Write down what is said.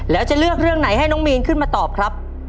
แล้วจะเลือกเรื่องไหนให้น้องมีนขึ้นมาตอบครับ